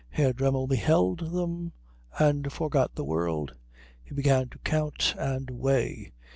Herr Dremmel beheld them, and forgot the world. He began to count and weigh.